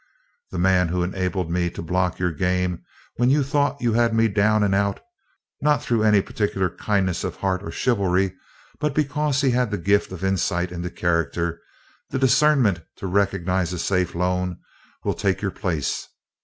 "The man who enabled me to block your game when you thought you had me down and out not through any particular kindness of heart or chivalry, but because he had the gift of insight into character the discernment to recognize a safe loan will take your place.